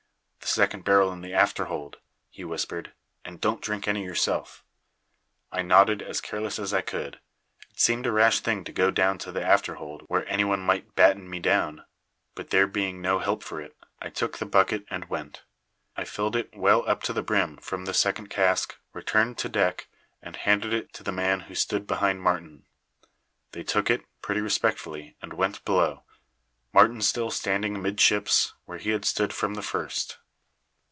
'The second barrel in the afterhold,' he whispered. 'And don't drink any yourself.' "I nodded, as careless as I could. It seemed a rash thing to go down to the afterhold, where any one might batten me down. But, there being no help for it, I took the bucket and went. I filled it well up to the brim from the second cask, returned to deck, and handed it to the man who stood behind Martin. They took it, pretty respectfully, and went below, Martin still standing amidships, where he had stood from the first.